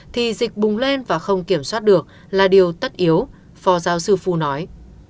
thì dịch bùng lên và không kiểm soát được là điều tất yếu phó giáo sư phu nói